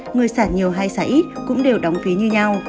người xả nhiều hay xả ít cũng đều đóng phí như nhau